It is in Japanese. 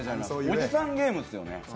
おじさんゲームっすよね。